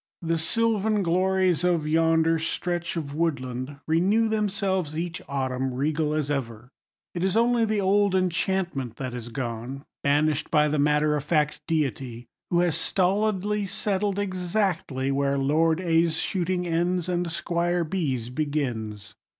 The sylvan glories of yonder stretch of woodland renew themselves each autumn, regal as ever. It is only the old enchantment that is gone; banished by the matter of fact deity, who has stolidly settled exactly where Lord A.'s shooting ends and Squire B.'s begins.